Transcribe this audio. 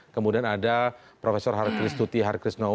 kemudian ada prof harikris tuti harikrisno